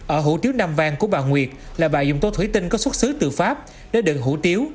ở hủ tiếu nam vang của bà nguyệt là bà dùng tô thủy tinh có xuất xứ từ pháp để đựng hủ tiếu